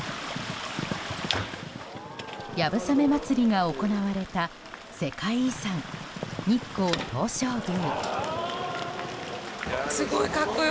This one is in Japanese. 流鏑馬祭りが行われた世界遺産・日光東照宮。